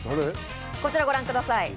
こちらをご覧ください。